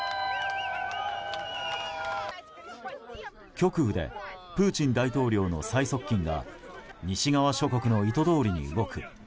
極右でプーチン大統領の最側近が西側諸国の意図どおりに動く。